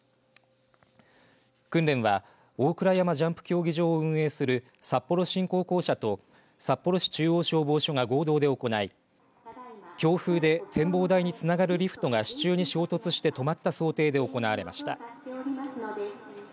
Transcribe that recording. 訓練は大倉山ジャンプ競技場を運営する札幌振興公社と札幌市中央消防署が合同で行い強風で展望台につながるリフトが支柱に衝突して止まった想定で行われました。